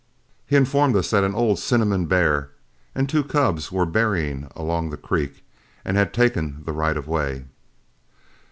He informed us that an old cinnamon bear and two cubs were berrying along the creek, and had taken the right of way.